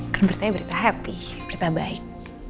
kan bertanya berita happy berita baik